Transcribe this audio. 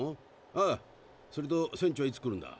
それと船長はいつ来るんだ？